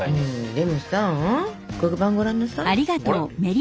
でもさ黒板ご覧なさい。